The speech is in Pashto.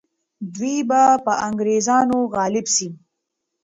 دوی به پر انګریزانو غالب سي.